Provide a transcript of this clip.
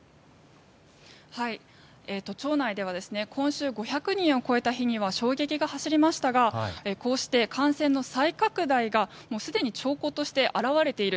都庁内では今週５００人を超えた日には衝撃が走りましたがこうして感染の再拡大がもうすでに兆候として表れている。